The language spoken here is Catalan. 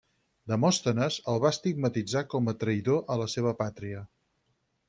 Demòstenes el va estigmatitzar com a traïdor a la seva pàtria.